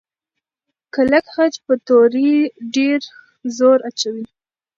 کلک خج پر توري ډېر زور اچوي.